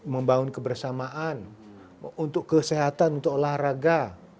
membangun kebersamaan untuk kesehatan untuk olahraga